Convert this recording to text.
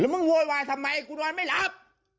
แล้วมึงว่าวายสำไมกูนอนไม่หลับ